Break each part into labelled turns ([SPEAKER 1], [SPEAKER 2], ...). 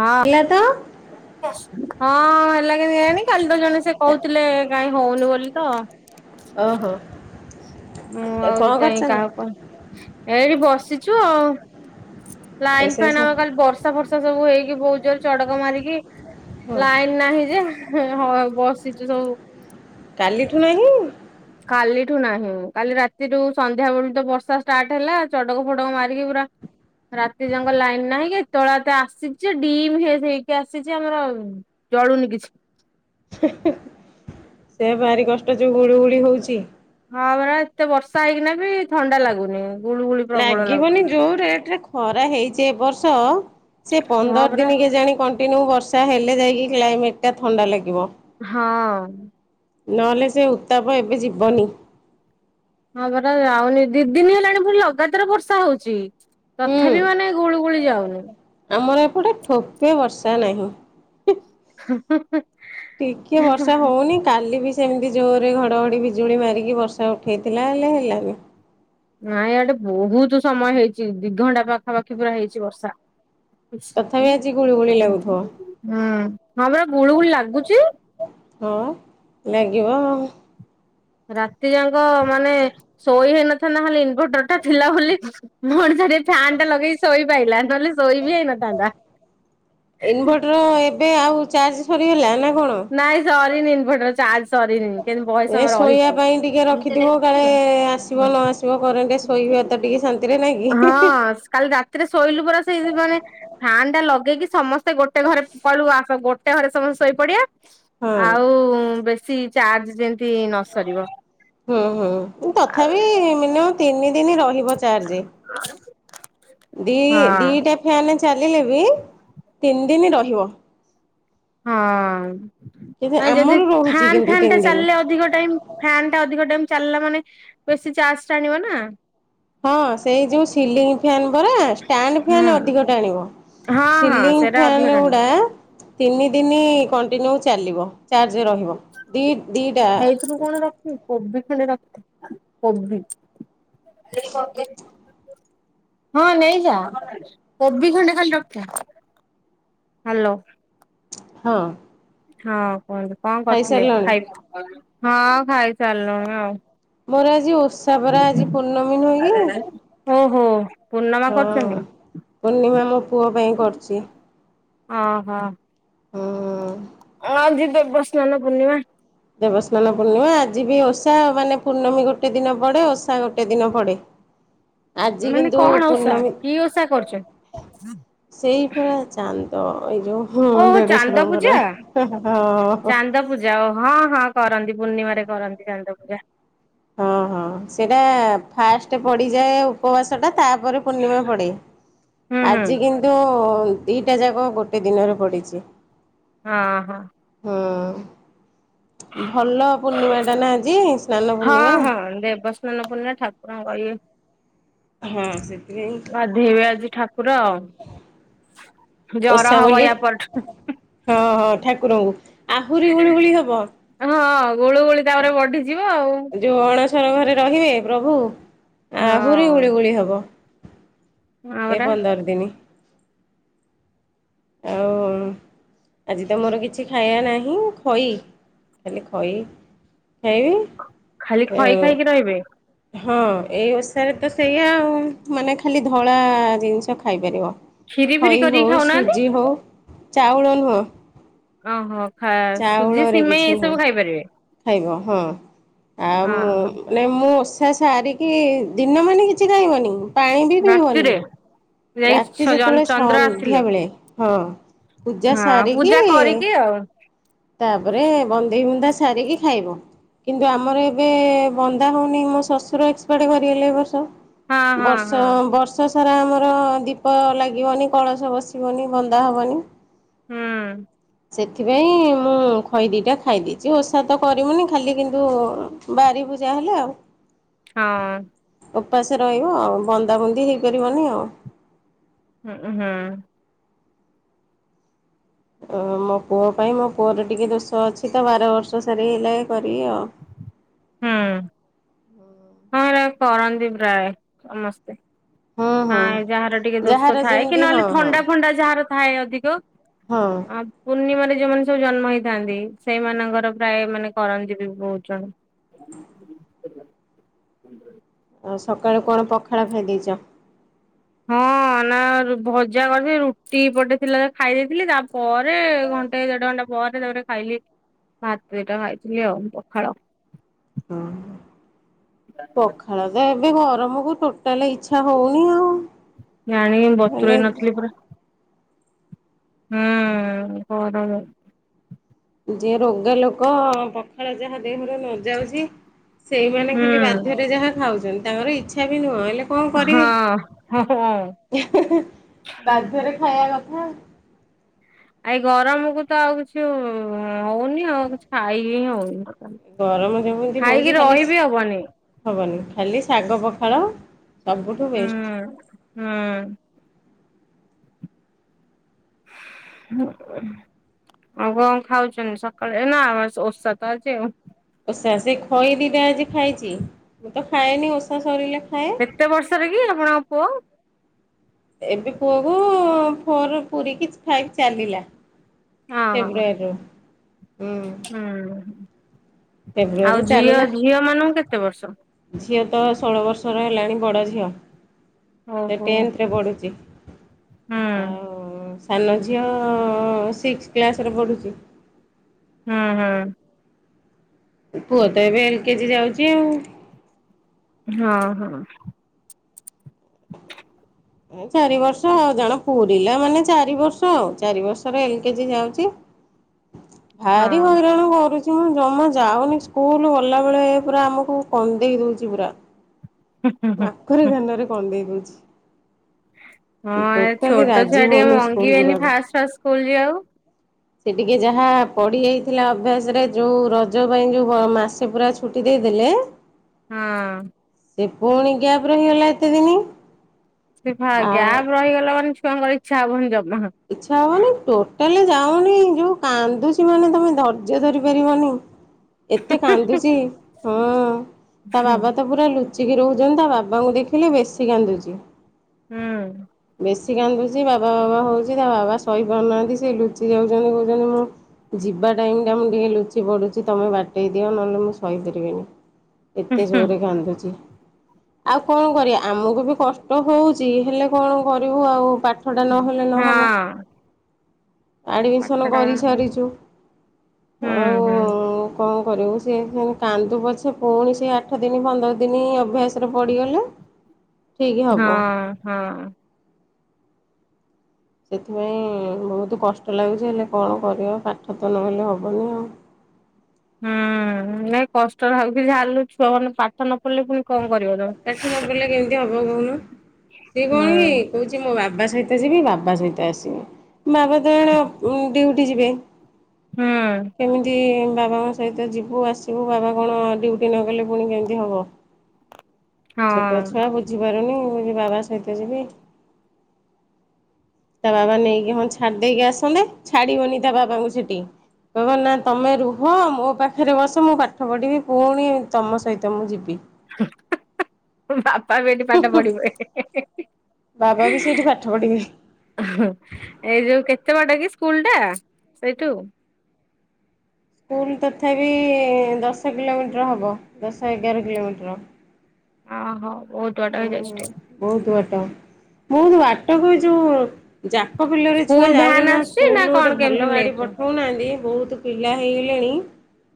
[SPEAKER 1] ହଁ
[SPEAKER 2] ହେଲା ତ
[SPEAKER 1] [unintelligible] ହଁ ହେଲା କେଇଜାଣି କାଲି ତ ଜଣେ ସେ କହୁଥିଲେ କାଇଁ ହଉନି ବୋଲି ତ
[SPEAKER 2] ଓ ହୋ।
[SPEAKER 1] ହଁ ଆଉ ସେଇଥି କାହା ପାଇଁ ଏଠି ବସିଚୁ ଆଉ। ଲାଇନ୍
[SPEAKER 2] ରୋଷେଇ
[SPEAKER 1] ଫ୍ୟାନ
[SPEAKER 2] ସ
[SPEAKER 1] ଆମର କାଲି ବର୍ଷା ଫର୍ଷା ସବୁ ହେଇକି ବହୁତ ଜୋର ଚଡକ ମାରିକି
[SPEAKER 2] ହଁ
[SPEAKER 1] ଲାଇନ ନାହିଁ ଯେ ହଁ ବସିଚୁ ସବୁ।
[SPEAKER 2] କାଲିଠୁ ନାହିଁ?
[SPEAKER 1] କାଲିଠୁ ନାହିଁ। କାଲି ରାତିରୁ ସନ୍ଧ୍ୟା ବେଳୁ ତ ବର୍ଷା ଷ୍ଟାର୍ଟ ହେଲା ଚଡକ ଫଡକ ମାରିକି ପୁରା ରାତି ଯାଙ୍କ ଲାଇନ ନାହିଁ କିତଳେ ତେ ଆସିଚି ଡିମ୍ ହେଇକି ଆସିଚି ଆମର ଜଳୁନି କିଛି।
[SPEAKER 2] ସେ ଭାରି କଷ୍ଟ ଯୋଉ ହୁଳିୁ ଗୁଳି ହଉଚି।
[SPEAKER 1] ହଁ ପରା ଏତେ ବର୍ଷା ହେଇକିନା ବି ଥଣ୍ଡା ଲାଗୁନି। ଗୁଳୁ ଗୁଳି ପ୍ରବଳ ଲାଗୁଛି।
[SPEAKER 2] ଲାଗିବନି ଯୋଉ ରେଟରେ ଖରା ହେଇଚି ଏବ ବର୍ଷ ସେ
[SPEAKER 1] ହଁ
[SPEAKER 2] ପନ୍ଦର
[SPEAKER 1] ପରା
[SPEAKER 2] ଦିନ କେ ଜାଣି କଣ୍ କଣ୍ଟିନ୍ୟୁ ବର୍ଷା ହେଲେ ଯାଇକି କ୍ଲାଇମେଟ ଟା ଥଣ୍ଡା ଲାଗିବ।
[SPEAKER 1] ହଁ।
[SPEAKER 2] ନହେଲେ ସେ ଉତ୍ତାପ ଏବେ ଯିବନି।
[SPEAKER 1] ହଁ ପରା ଯାଉନି ଦି ଦିନି ହେଲାଣି ଫୁଣି ଲଗାତାର ବର୍ଷା ହଉଚି।
[SPEAKER 2] ହୁଁ
[SPEAKER 1] ତଥାପି ମାନେ ଗୁଳିୁଗୁଳି ଯାଉନି।
[SPEAKER 2] ଆମର ଏପଟେ ଠୋପେ ବର୍ଷା ନାହିଁ। ଟିକେ ବର୍ଷା ହଉନି। କାଲି ବି ସେମିତି ଜୋରେ ଘଡ଼ଘଡ଼ି ବିଜୁଳି ମାରିକି ବର୍ଷା ଉଠାଇଥିଲା ହେଲେ ହେଲାନି।
[SPEAKER 1] ନାଁ ଇଆଡ଼େ ବୋହୁତ ସମୟ ହେଇଚି ଦିଘଣ୍ଟା ପାଖାପାଖି ପୁରା ହେଇଚି ବର୍ଷା। ଉସିଘ୍ନେ
[SPEAKER 2] ତଥାପି ଆଜି ଗୁଳିୁଗୁଳି
[SPEAKER 1] ଉଁ
[SPEAKER 2] ଲାଗୁଥିବ
[SPEAKER 1] ହଁ ପରା ଗୁଳୁଗୁଳି ଲାଗୁଚି।
[SPEAKER 2] ହଁ ଲାଗିବ ଆଉ।
[SPEAKER 1] ରାତି ଯାଁକ ମାନେ ଶୋଇ ହେଇନଥାନ୍ତା ହେଲେ ଇନଭଟର୍ ଟା ଥିଲା ବୋଲି। ମୁଁ ହଁ ଟି ଛାଡ଼ି ଫ୍ୟାନ୍ ଟା ଲଗେଇ ଶୋଇପାଇଲା ନହେଲେ ଶୋଇ ବିି ହେଇନଥାନ୍ତା।
[SPEAKER 2] ଇନଭର୍ଟର୍ ଏବେ ଆଉ ଚାର୍ଜ ସରିଗଲା ନା କଣ?
[SPEAKER 1] ନାଇଁ ସରିନି ଇନଭଟର ଚାର୍ଜ ସରିନି କେନ୍ତି ବହେ
[SPEAKER 2] ଏ
[SPEAKER 1] ସମୟ ରହିଚି।
[SPEAKER 2] ଏ ଆସିବ ନ ଆସିବ କରେଣ୍ଟ୍ ଶୋଇବା ତ ଟିକେ ଶାନ୍ତିରେ ନାଇଁ କି?
[SPEAKER 1] ହଁ କାଲି ରା ଥିରେ ଶୋଇଲୁ ପରା ସେଇ ମାନେ ଫ୍ୟାନ୍ ଟା ଲଗେଇକି ସମସ୍ତେ ଗୋଟେ ଘରେ କଳୁ ଆସ ଗୋ ଟେ ହରେ ସମସ୍ତେ ଶୋଇପଡି଼ଆ
[SPEAKER 2] ହଁ
[SPEAKER 1] ଆଉ ବେଶୀ ଚାର୍ଜ ଯେନ୍ତି ନ ସରିବ।
[SPEAKER 2] ହୁଁ ହୁଁ ଉଁ ତଥାପି ମିନିମମ୍ ତିନି ଦିନି ରହିବ ଚାର୍ଜେ। ଦି
[SPEAKER 1] ହଁ
[SPEAKER 2] ଦିଟା ଫ୍ୟାନେ ଚାଲିଲେ ବି ତିନି ଦିନି ରହିବ।
[SPEAKER 1] ହଁ
[SPEAKER 2] କିନ୍ତୁ
[SPEAKER 1] ତ ଏଁ ଯଦି
[SPEAKER 2] ଆମର ରହୁଛି
[SPEAKER 1] ଫ୍ୟାନ୍
[SPEAKER 2] କିନ୍ତୁ
[SPEAKER 1] ଫ୍ୟାନ୍
[SPEAKER 2] ତିନି
[SPEAKER 1] ଟେ
[SPEAKER 2] ଦିନ।
[SPEAKER 1] ଚାଲିଲେ ଅଧିକ ଟାଇମ୍ ଫ୍ୟନ୍ ଟା ଅଧିକ ଟାଇମ୍ ଚାଲିଲା ମାନେ ବେଶୀ ଚାର୍ଜ ଟାଣିବ ନା।
[SPEAKER 2] ହଁ ସେଇ ଯୋଉ ସିଲିଙ୍ଗ ଫ୍ୟାନ୍ ପରା ଷ୍ଟାଣ୍ଡ
[SPEAKER 1] ହୁଁ
[SPEAKER 2] ଫ୍ୟାନ୍ ଅଧିକ ଟାଣିବ।
[SPEAKER 1] ହଁ ହଁ
[SPEAKER 2] ସିିଲିଙ୍ଗ
[SPEAKER 1] ସେଇଟା ଅଧିକ
[SPEAKER 2] ଫ୍ୟାନ୍
[SPEAKER 1] ଟାଣିବ।
[SPEAKER 2] ଉଡ଼ା ତିନି ଦିନି କଣ୍ଟିନ୍ୟୁ ଚାଲିବ ଚାର୍ଜ ରହିବ ଦି ଦିଟା।
[SPEAKER 1] ହେଇଥିରୁ କଣ ରଖିମି କୋବି ଖଣ୍ଡେ ରଖ କୋବି। ଲେଇ ପଗିନ୍ ହଁ ନେଇଯା କୋବି ଖଣ୍ଡେ ଖାଲି ରଖିଥା ହାଲୋ।
[SPEAKER 2] ହଁ।
[SPEAKER 1] ହଁ କୁହନ୍ତୁ କଣ କରଥୁଲେ
[SPEAKER 2] ଖାଇସାରିଲଣି
[SPEAKER 1] ଖାଇ ହଁ ଖାଇସାରିଲୁଣି ଆଉ।
[SPEAKER 2] ମୋର ଆଜି ଓଷା ପରା ଆଜି ପୂର୍ଣ୍ଣମୀ ନୁହଁ କି?
[SPEAKER 1] ଓହୋ। ପୂର୍ଣ୍ଣମା
[SPEAKER 2] ହଁ
[SPEAKER 1] କରୁଛନ୍ତି
[SPEAKER 2] ପୂର୍ଣ୍ଣିମା ମୋ ପୁଅ ପାଇଁ କରଚି।
[SPEAKER 1] ଅହ।
[SPEAKER 2] ହଁଁ।
[SPEAKER 1] ଆଜି ଦେବସ୍ନାନ ପୂର୍ଣ୍ଣିମା।
[SPEAKER 2] ଦେବସ୍ନାନ ପୂର୍ଣ୍ଣିମା ଆଜି ବି ଓଷା ମାନେ ପୂର୍ଣ୍ଣମୀ ଗୋଟେ ଦିନ ପଡ଼େ ଓଷା ଗୋଟେ ଦିନ ପଡ଼େ। ଆଜି
[SPEAKER 1] ମାନେ
[SPEAKER 2] କିନ୍ତୁ
[SPEAKER 1] କଣ ଓଷା
[SPEAKER 2] ପୂର୍ଣ୍ଣମୀ
[SPEAKER 1] କି ଓଷା କରୁଚୁ?
[SPEAKER 2] ସେଇ ପରା ଚାନ୍ଦ ଏଇ ଯୋଉଁ ହଁ
[SPEAKER 1] ଚାନ୍ଦ
[SPEAKER 2] ଦେଢଶୁରଙ୍କ ନାଁ ହଁ।
[SPEAKER 1] ଜାଅ ହଁ ହଁ କରନ୍ତି ପୂର୍ଣ୍ଣିମାରେ କରନ୍ତି ଚାନ୍ଦ ପୂଜା।
[SPEAKER 2] ହଁ ହଁ ସେଇଟା ଫାଷ୍ଟେ ପଡ଼ିଯାଏ ଉ ଉପବାସଟା ତାପରେ ପୂର୍ଣ୍ଣିମା ପଡ଼େ
[SPEAKER 1] ହୁଁ ହୁଁ
[SPEAKER 2] ଆଜି କିନ୍ତୁ ଦିଟା ଯାକ ଗୋଟେ ଦିନରେ ପଡ଼ିଚି।
[SPEAKER 1] ହଁ ହଁ।
[SPEAKER 2] ହଁ ଭଲ ପୂର୍ଣ୍ଣିମାଟା ନା ଆଜି ସ୍ନାନ
[SPEAKER 1] ହଁ
[SPEAKER 2] ପୂର୍ଣ୍ଣିମା।
[SPEAKER 1] ହଁ ଦେବସ୍ନାନ ପୂର୍ଣ୍ଣାମା ଠାକୁରଙ୍କ ଇଏ।
[SPEAKER 2] ହଁ ସେଥିପାଇଁ।
[SPEAKER 1] ଗାଧୋଇବେ ଆଜି ଠାକୁର ଆଉ। ଜର
[SPEAKER 2] ଓଷା
[SPEAKER 1] ହବ
[SPEAKER 2] ବୋଲି
[SPEAKER 1] ୟା ପରଠୁ।
[SPEAKER 2] ହଁ ହଁ ଠାକୁରଙ୍କୁ ଆହୁରି ଗୁଳିୁଗୁଳି ହବ।
[SPEAKER 1] ହଁ ଗୋଳୁ ଗୋଳି ତାପରେ ବଢିଯିବ ଆଉ।
[SPEAKER 2] ଯେଉଁ ଅଣସର ଘରେ ରହିବେ ପ୍ରଭୁ ଆହୁରି
[SPEAKER 1] ହଁ
[SPEAKER 2] ଗୁଳିଗୁଳି ହେବ।
[SPEAKER 1] ହଁ
[SPEAKER 2] ଏ
[SPEAKER 1] ପରା
[SPEAKER 2] ପନ୍ଦର ଦିନି। ଆଉ। ଆଜି ତ ମୋର କିଛି ଖାଇବା ନାହିଁ ଖେଇ ଖାଲି ଖେଇ। ହେଇ।
[SPEAKER 1] ଖାଲି ଖେଇ ଖାଇକି ରହିବେ।
[SPEAKER 2] ହଁ ଏଇ ଓଷାରେ ତ ସେଇଆା ଆଉ ମାନେ ଖାଲି ଧଳା ଜିନିଷ ଖାଇପାରିବ।
[SPEAKER 1] ଖିରି ଫିରି
[SPEAKER 2] ଖଇ
[SPEAKER 1] କରିକି
[SPEAKER 2] ହଉ
[SPEAKER 1] ଖାଉନାହାନ୍ତି
[SPEAKER 2] ସୁଜି ହଉ ଚାଉଳ ନୁହଁ‌।
[SPEAKER 1] ଓହୋ ଖା ସୁଜି
[SPEAKER 2] କିଛି
[SPEAKER 1] ସିମେଇଁ
[SPEAKER 2] ନୁହଁ
[SPEAKER 1] ଏସବୁ ଖାଇପାରିବେ?
[SPEAKER 2] ଖାଇବ ହଁ ଆ
[SPEAKER 1] ହଁ
[SPEAKER 2] ମୁଁ
[SPEAKER 1] ହଁ
[SPEAKER 2] ମାନେ ମୁଁ ଓଷା ସାରିକି ଦିନ ମାନେ କିଛି ଖାଇବନି ପାଣି ବି ପିଇବନି।
[SPEAKER 1] ରାତିରେ ଯାଇ
[SPEAKER 2] ରାତି ଯେତେବେଳେ
[SPEAKER 1] ଚନ୍ଦ୍ର ଆସିଲେ
[SPEAKER 2] ସନ୍ଧ୍ୟାବେଳେ ହଁ। ପୂଜା
[SPEAKER 1] ହଁ
[SPEAKER 2] ସାରିକି
[SPEAKER 1] ପୂଜା କରିକି ଆଉ
[SPEAKER 2] ତାପରେ ବନ୍ଦେଇ ବୁନ୍ଦା ସାରିକି ଖାଇବ। କିନ୍ତୁ ଆମର ଏବେ ବନ୍ଦା ହଉନି ମୋ ଶଶୁର ଏକ୍ସପାର୍ଡ୍ କରିଗଲେ ଏ ବର୍ଷ।
[SPEAKER 1] ହଁ ହଁ
[SPEAKER 2] ବର୍ଷ
[SPEAKER 1] ହଁ
[SPEAKER 2] ବର୍ଷ ବର୍ଷ ସାରା ଆମର ଦୀପ ଲାଗିବନି କଳସ ବସିବନି ବନ୍ଦା ହବନି।
[SPEAKER 1] ହୁଁ।
[SPEAKER 2] ସେଥି ପାଇଁ ମୁଁ ଖଇ ଦିଇଟା ଖାଇ ଦେଇଚି ଓଷା ତ କରିମୁନି ଖାଲି କିନ୍ତୁ ବାରିିବୁ ଯାହେଲେ ଆଉ।
[SPEAKER 1] ହଁ।
[SPEAKER 2] ଓପାସ ରହିବ ଆଉ ବନ୍ଦାବୁନ୍ଦି ହେଇପାରିବନି ଆଉ।
[SPEAKER 1] ହୁଁ-ହୁଁ।
[SPEAKER 2] ଉଁ ମୋ ପୁଅ ପାଇଁ ମୋ ପୁଅର ଟିକେ ଦୋଷ ଅଛି ତ ବାର ବର୍ଷ ସରିଗଲେ କରିବି ଆଉ।
[SPEAKER 1] ହୁଁ ହଁ ହେଟା କରନ୍ତି ପ୍ରାୟ ସମସ୍ତେ। ହଁ ଯାହାର ଟିକେ ଦୋଷ
[SPEAKER 2] ଯାହାର
[SPEAKER 1] ଥାଏ କି
[SPEAKER 2] ଯେମିତି ହଁ
[SPEAKER 1] ନହେଲେ
[SPEAKER 2] ହଁ
[SPEAKER 1] ଥଣ୍ଡା ଫଣ୍ଡା ଯାହାର ଥାଏ ଅଧିକ
[SPEAKER 2] ହଁ।
[SPEAKER 1] ଅ ପୂର୍ଣ୍ଣିମାରେ ଯୋଉମାନେ ସବୁ ଜନ୍ମ ହେଇଥାନ୍ତି ସେଇମାନଙ୍କର ପ୍ରାୟ ମାନେ କରନ୍ତି ବି ବହୁତ୍ ଜଣ।
[SPEAKER 2] ଆଉ ସକାଳୁ କଣ ପଖାଳ ଖାଇଦେଇଚ?
[SPEAKER 1] ହଁ। ନା ଭଜା କରିଥିଲି ରୁଟି ପଟେ ଥିଲା ଖାଇ ଦେଇଥିଲି ତାପରେ ଘଣ୍ଟେ ଦେଢ ଘଣ୍ଟା ପରେ ତାପରେ ଖାଇଲି ଭାତ ଦିଟା ଖାଇଥିଲି ଆଉ ପଖାଳ।
[SPEAKER 2] ହଁ ପଖାଳ ତ ଏବେ ଗରମକୁ ଟୋ ଟାଲ ଇଚ୍ଛା ହଉନି ଆଉ
[SPEAKER 1] ଜାଣିକି ବତୁରେଇ
[SPEAKER 2] ହେଲେ
[SPEAKER 1] ନଥିଲି ପୁରା ହୁଁ ଗରମ।
[SPEAKER 2] ଯିଏ ରୋଗେ ଲୋକ ପଖାଳ ଯାହା ଦେହରେ ନ ଯାଉଛି ସେଇମାନେ
[SPEAKER 1] ହୁଁ
[SPEAKER 2] ଖାଲି ବାଧ୍ୟରେ ଯାହା ଖାଉଛନ୍ତି ତାଙ୍କର ଇଚ୍ଛା ବି ନୁହଁ ହେଲେ କଣ କରିବେ
[SPEAKER 1] ହଁ ହଁ ହଁ
[SPEAKER 2] ଇହେ ହେ ବାଧ୍ୟରେ ଖାଇବା କଥା।
[SPEAKER 1] ଏଇ ଗରମକୁ ତ ଆଉ କିଛି ହଉନି ଆଉ କିଛି ଖାଇକି ହିଁ ହଉନି।
[SPEAKER 2] ଗରମ ଯେମିତି
[SPEAKER 1] ଖାଇକି
[SPEAKER 2] ହଉଛି ଖାଲି
[SPEAKER 1] ରହିବି ହବନି
[SPEAKER 2] ହବନି ଖାଲି ଶାଗ, ପଖାଳ ସବୁଠୁ ବେଷ୍ଟ।
[SPEAKER 1] ହଁ। [inaudible] ଆଉ କଣ ଖାଉଛନ୍ତି ସକାଳେ, ଏ ନା ଓଷା ତ ଆଜି ଆଉ।
[SPEAKER 2] ଓଷା ସେ ଖଇଦିଟା ଆଜି ଖାଇଚି। ମୁଁ ତ ଖାଏନି ଓଷା ସରିଲେ ଖାଏ।
[SPEAKER 1] କେତେ ବର୍ଷର କି ଆପଣଙ୍କ ପୁଅ?
[SPEAKER 2] ଏବେ ପୁଅକୁ ଫୋର୍ ପୁରିକି ଫାଇଭ୍ ଚାଲିଲା।
[SPEAKER 1] ହଁ ହଁ
[SPEAKER 2] ଫେବୃଆରିରୁ ହୁଁ।
[SPEAKER 1] ହୁଁ
[SPEAKER 2] ଫେବୃଆରୀରୁ
[SPEAKER 1] ଆଉ
[SPEAKER 2] ଚାଲିଲା
[SPEAKER 1] ଝିଅ-ଝିଅ ମାନଙ୍କୁ କେତେ ବର୍ଷ?
[SPEAKER 2] ଝିଅ ତ ଷୋଳ ବର୍ଷର ହେଲାଣି ବଡ଼ ଝିଅ। ସେ
[SPEAKER 1] ଓହୋ
[SPEAKER 2] ଟେନ୍ଥରେ ପଢୁଛି।
[SPEAKER 1] ହୁଁ
[SPEAKER 2] ଆଉ ସାନ ଝିଅ ସିକ୍ସ୍ କ୍ଲାସ୍ ରେ ପଢ଼ୁଛି।
[SPEAKER 1] ହୁଁ-ହୁଁ।
[SPEAKER 2] ପୁଅ ତ ଏବେ ଏଲ୍ କେ ଜି ଯାଉଚି ଆଉ।
[SPEAKER 1] ହଁ-ହଁ।
[SPEAKER 2] ଚାରି ବର୍ଷ ଆଉ ଜାଣ ପୁରିଲା ମାନେ ଚାରି ବର୍ଷ ଆଉ। ଚାରି ବର୍ଷର ଏଲ୍ କେ ଜି ଯାଉଚି।
[SPEAKER 1] [inaudible]
[SPEAKER 2] ଭାରି ହଇରାଣ କରୁଚି। ହୁଁ ଜମା ଯାଉନି ସ୍କୁଲ, ଗଲାବେଳେ ପୁରା ଆମକୁ କନ୍ଦେଇ ଦଉଛି ପୁରା।
[SPEAKER 1] [unintelligible]
[SPEAKER 2] [unintelligible] କନ୍ଦେଇ ଦଉଛି।
[SPEAKER 1] ହଁ ଏ
[SPEAKER 2] ଟୋଟାଲି
[SPEAKER 1] ଛୋଟ ଛୁଆ
[SPEAKER 2] ରାଜି
[SPEAKER 1] ଟିକେ
[SPEAKER 2] ହଉନି ସ୍କୁଲ
[SPEAKER 1] ମଙ୍ଗିବେନି
[SPEAKER 2] ଯିବାକୁ
[SPEAKER 1] ଫାଷ୍ଟ ଫାଷ୍ଟ ସ୍କୁଲ୍‌ ଯିବାକୁ।
[SPEAKER 2] ସେ ଟିକିଏ ଯାହା ପଡ଼ିି ଯାଇଥିଲା ଅଭ୍ୟାସରେ, ଯୋଉଁ ରଜ ପାଇଁ ଯୋଉଁ ମାସେ ପୁରା ଛୁଟି ଦେଇଦେଲେ
[SPEAKER 1] ହଁ।
[SPEAKER 2] ସେ ପୁଣି ଗ୍ୟାପ୍ ରହିଗଲା ଏତେ ଦିନି।
[SPEAKER 1] ସେ ପା
[SPEAKER 2] ଆଉ
[SPEAKER 1] ଗ୍ୟାପ୍ ରହିଗଲା ମାନେ ଛୁଆଙ୍କର ଇଚ୍ଛା ହବନି ଜମା।
[SPEAKER 2] ଇଛା ହବନି। ଟୋଟାଲି ଯାଉନି ଯୋଉ କାନ୍ଦୁଛି ମାନେ ତମେ ଧୈର୍ଯ୍ୟ ଧରି ପାରିବନି। ଏତେ କାନ୍ଦୁଛି। ହଁ ତା
[SPEAKER 1] ହୁଁ
[SPEAKER 2] ବାବା ତ ପୁ ପୁରା ଲୁଚିକି ରହୁଛନ୍ତି। ତା ବାବାଙ୍କୁ ଦେଖିଲେ ବେଶୀ କାନ୍ଦୁଚି।
[SPEAKER 1] ହୁଁ।
[SPEAKER 2] ବେଶୀ କାନ୍ଦୁଛି, ବାବା ବାବା ହଉଛି, ତା ବାବା ସହି ପାରୁନାହାନ୍ତି ସେ ଲୁଚି ଯାଉଛନ୍ତି। କହୁଛନ୍ତି ମୁଁ ଯିବା ଟାଇମ୍ ଟା ମୁଁ ଟିକେ ଲୁଚି ପଡ଼ୁଛି, ତମେ ବାଟେଇ ଦିଅ ନହେଲେ ମୁଁ ସହି ପାରିବିନି। ଏତେ ଜୋରେ କାନ୍ଦୁଛି। ଆଉ କଣ କରିବା? ଆମକୁ ବି କଷ୍ଟ ହଉଛି। ହେଲେ କଣ କରିବୁ ଆଉ? ପା ଠଟା ନହେଲେ ନହବ।
[SPEAKER 1] ହଁ।
[SPEAKER 2] ଆଡ଼ମିସନ୍
[SPEAKER 1] ପାଠଟା
[SPEAKER 2] କରିସାରିଛୁ,
[SPEAKER 1] ହୁଁ
[SPEAKER 2] ଆଉ
[SPEAKER 1] ହୁଁ
[SPEAKER 2] କଣ କରିବୁ? ସେ ସେମିତି କାନ୍ଦୁ ପଛେ ପୁଣି ସେ ଆଠ ଦିନ, ପନ୍ଦର ଦିନ ଅଭ୍ୟାସ ରେ ପଡ଼ିଗଲେ ଠିକ୍ ହବ।
[SPEAKER 1] ହଁ ହଁ।
[SPEAKER 2] ସେଥିପାଇଁ ବହୁତ କଷ୍ଟ ଲାଗୁଛି, ହେଲେ କଣ କରିବା? ପାଠ ତ ନହେଲେ ହବନି ଆଉ।
[SPEAKER 1] ହୁଁ ନାଇଁ କଷ୍ଟଲାଗୁ କି ଝାଲୁ ଛୁଆ ମାନେ ପାଠ ନ ପଢିଲେ ପୁଣି କଣ କରିବ? ତମେ?
[SPEAKER 2] ପାଠ ନ ପଢିଲେ କେମିତି ହବ କହୁନ? ସିଏ କଣ କି
[SPEAKER 1] ହୁଁ
[SPEAKER 2] କହୁଛି ମୋ ବାବା ସହିତ ଯିବି, ବାବା ସହିତ ଆସିବି। ବାବା ତ ଏଣେ ଉଁ ଡିଉଟି ଯିବେ।
[SPEAKER 1] ହୁଁ
[SPEAKER 2] କେମିତି ବାବାଙ୍କ ସହିତ ଯିବୁ ଆସିବୁ ବାବା କଣ ଡ୍ୟୁଟି ନଗଲେ ପୁଣି କେମିତି ହବ? ଛୋଟ ଛୁଆ
[SPEAKER 1] ହଁ
[SPEAKER 2] ବୁଝି ପାରୁନି କହୁଚି ବାବା ସହିତ ଯିବି। ତା ବାବା ନେଇକି ହଁ ଛାଡି ଦେଇକି ଆସନ୍ତେ, ଛାଡିବନି ତା ବାବାଙ୍କୁ ସେଠି। କହିବ ନା ତମେ ରୁହ, ମୋ ପାଖରେ ବସ, ମୁଁ ପାଠ ପଢ଼ିବି ପୁଣି ତମ ସହିତ ମୁଁ ଯିବି।
[SPEAKER 1] ବାପା ବି ଏଠି ପାଠ ପଢି [unintelligible]
[SPEAKER 2] ବାବା ବି ସେଇଠି ପାଠ ପଢିବେ।
[SPEAKER 1] ଏଇ ଯୋଉ କେତେ ବାଟ କି ସ୍କୁଲ ଟା ସେଇଠୁ?
[SPEAKER 2] ସ୍କୁଲ ତଥାପି ଦଶ କିଲୋମିଟର ହବ, ଦଶ ଏଗାର କିଲୋମିଟର।
[SPEAKER 1] ଓହୋ ବହୁତ୍ ବାଟ ହେଇଯାଉଚି।
[SPEAKER 2] କୁହନ୍ତୁ ଆଜ୍ଞା ବହୁତ ବାଟକୁ ଯୋଉ ଯାକ ବିଲରେ ଛୁଆ
[SPEAKER 1] ସ୍କୁଲ ଭ୍ୟାନ
[SPEAKER 2] ଯାଉଛନ୍ତି
[SPEAKER 1] ଆସୁଛି
[SPEAKER 2] ସ୍କୁଲୁ
[SPEAKER 1] ନା କଣ
[SPEAKER 2] ଗୋଟେ ଭଲ
[SPEAKER 1] କେମିତି
[SPEAKER 2] ଗାଡ଼ି
[SPEAKER 1] ନେଇଛୁ?
[SPEAKER 2] ପଠଉନାହାନ୍ତି, ବହୁତ ପିଲା ହେଇଗଲେଣି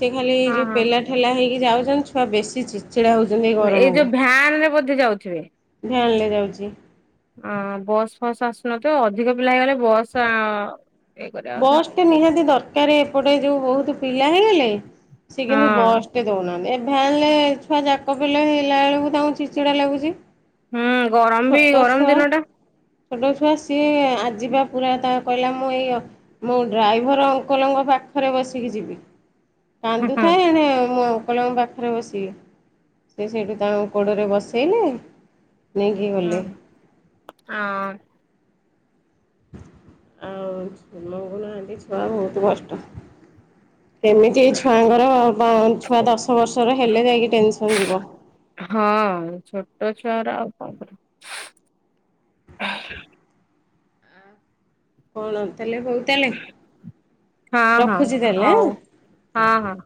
[SPEAKER 2] ସେ ଖାଲି
[SPEAKER 1] ହଁ
[SPEAKER 2] ଯେଉଁ
[SPEAKER 1] ହଁ
[SPEAKER 2] ପେଲା ଠେଲା ହେଇକି ଯାଉଛନ୍ତି ଛୁଆ ବେଶୀ ଚିଚିଡ଼ା ହେଉଚନ୍ତି।
[SPEAKER 1] ଏଇ ଯୋଉ ଭ୍ୟାନ ରେ ବୋଧେ ଯାଉଥିବେ।
[SPEAKER 2] ଭ୍ୟାନ୍ ରେ ଯାଉଛନ୍ତି।
[SPEAKER 1] ଅ ବସ୍ ଫସ୍ ଆସୁନଥିବ ଅଧିକ ପିଲା ହେଇଗଲେ ବସ୍ ଇଏ କରିବା କଥା।
[SPEAKER 2] ଗୋଟେ ନିହାତି ଦରକାର ଏପଟେ ଯୋଉ ବହୁତ ପିଲା ହେଇଗଲେ ସେ କିନ୍ତୁ
[SPEAKER 1] ହଁ
[SPEAKER 2] ବସ୍ ଟିକେ ଦେଉନାହାନ୍ତି ଏ ଭ୍ୟାାନେ ରେ ଛୁଆ ଯାକ ପିଲ ହେଇଗଲା ବେଳକୁ ତାଙ୍କୁ ଚିଡ୍ ଚିଡ଼ା ଲାଗୁଛି।
[SPEAKER 1] ହୁଁ ଗରମ ବି
[SPEAKER 2] ଛୋଟ
[SPEAKER 1] ଗରମ
[SPEAKER 2] ଛୁଆ
[SPEAKER 1] ଦିନ ଟା।
[SPEAKER 2] ଛୋଟ ଛୁଆ ସିଏ ଆଜିିବା ପୁରା ତା କହିଲା ମୁଁ ଏଇ ମୁଁ ଡ୍ରାଇଭର ଅଙ୍କଲଙ୍କ ପାଖରେ ବସିକି ଯିବି।
[SPEAKER 1] ହୁଁ
[SPEAKER 2] କାନ୍ଦୁଥାଏ ଏଣେ ମୁଁ ଅଙ୍କଲଙ୍କ ପାଖ ପାଖରେ ବସିବେ ସେ ସେଇଠୁ ତାଙ୍କ କୋଡ଼ରେ ବସେଇଲେ। ନେଇକି ଗଲେ।
[SPEAKER 1] ହୁଁ ହଁ।
[SPEAKER 2] ଆଉକୁନାହାନ୍ତି ଛୁଆ ବହୁତ କଷ୍ଟ ଏମିତି ଏ ଛୁଆଙ୍କର ଛୁଆ ଦଶ ବର୍ଷର ହେଲେ ଯାଇକି ଟେନସନ୍ ଯିବ।
[SPEAKER 1] ହଁ ଛୋଟ ଛୁଆର ତ।
[SPEAKER 2] କଣ ତାହେଲେ ବୋଉ ତାହେଲେ
[SPEAKER 1] ହଁ ହଁ
[SPEAKER 2] ରଖୁଛି ତାହାଲେ
[SPEAKER 1] ହଉ
[SPEAKER 2] ଆଉ।
[SPEAKER 1] ହଁ ହଁ।